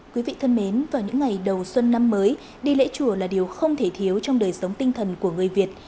quý vị thân mến vào những ngày đầu xuân năm mới đi lễ chùa là điều không thể thiếu trong đời sống tinh thần của người việt